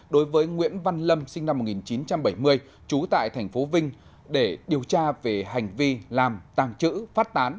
đối với nguyễn văn lâm sinh năm một nghìn chín trăm bảy mươi trú tại tp vinh để điều tra về hành vi làm tàng trữ phát tán